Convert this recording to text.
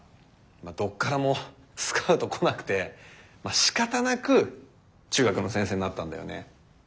どこからもスカウトこなくてしかたなく中学の先生になったんだよね。